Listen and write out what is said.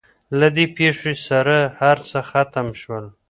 له دې پېښې سره هر څه ختم شول.